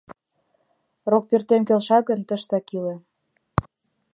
Рокпӧртем келша гын, тыштак иле.